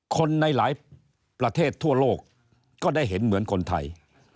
คนในหลายประเทศทั่วโลกก็ได้เห็นเหมือนคนไทย